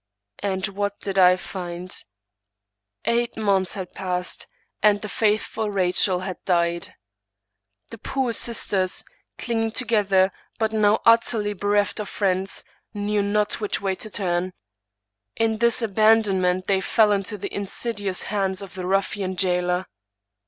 And what did I find? Eight months had passed, and the faithful Rachael had died. The poor sis ters, clinging together, but now utterly bereft of friends, knew not which way to turn. In this abandonment they fell into the insidious hands of the ruffian jailer.